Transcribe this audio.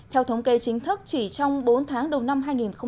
theo thống kê chính thức chỉ trong bốn tháng đầu năm hai nghìn một mươi chín